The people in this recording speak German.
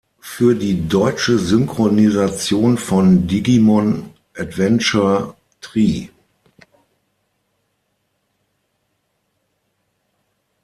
Für die deutsche Synchronisation von "Digimon Adventure tri.